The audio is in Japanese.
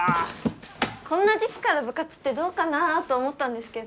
こんな時期から部活ってどうかなと思ったんですけど。